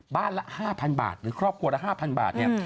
ละ๕๐๐บาทหรือครอบครัวละ๕๐๐บาทเนี่ย